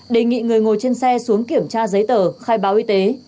đề nghị người ngồi trên xe xuống kiểm tra giấy tờ khai báo y tế